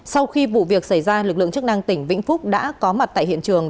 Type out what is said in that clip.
sau khi vụ việc xảy ra lực lượng chức năng tỉnh vĩnh phúc đã có mặt tại hiện trường